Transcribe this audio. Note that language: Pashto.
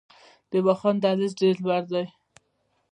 د واخان دهلیز ډیر لوړ دی